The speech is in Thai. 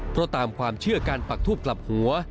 เพราะตามความเชื่อการปักทูบกลับหัว